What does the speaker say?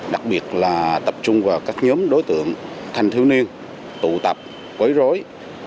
đặc biệt là tập trung vào các nhóm đối tượng thanh thiếu niên tụ tập quấy rối